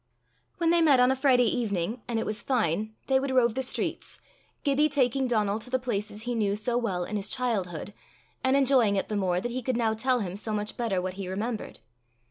When they met on a Friday evening, and it was fine, they would rove the streets, Gibbie taking Donal to the places he knew so well in his childhood, and enjoying it the more that he could now tell him so much better what he remembered.